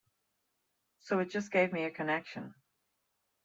So it just gave me a connection.